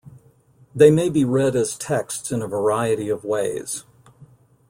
They may be read as texts in a variety of ways.